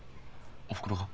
おふくろが？